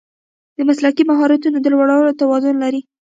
د مسلکي مهارتونو د لوړولو توان لري.